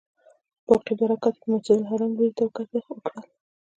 باقي دوه رکعته یې د مسجدالحرام لوري ته وکړل.